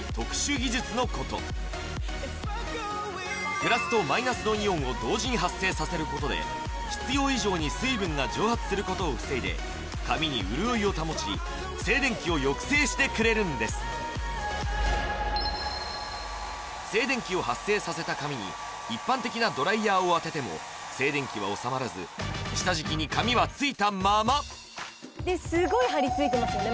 プラスとマイナスのイオンを同時に発生させることで必要以上に水分が蒸発することを防いで髪に潤いを保ち静電気を抑制してくれるんです静電気を発生させた髪に一般的なドライヤーを当てても静電気はおさまらず下敷きに髪はついたまますごい張りついてますよね